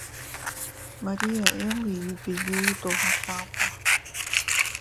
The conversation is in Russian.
Празднуем юбилей Марий Эл с теплотой. Здесь традиции живут вечно, как леса!